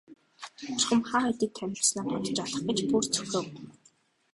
Чухам хаа хэдийд танилцсанаа бодож олох гэж бүр цөхрөв.